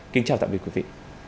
kính chào tạm biệt quý vị